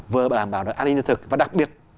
vừa đảm bảo được an ninh lương thực và đặc biệt